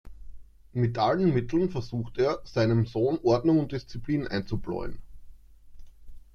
Mit allen Mitteln versucht er, seinem Sohn Ordnung und Disziplin einzubläuen.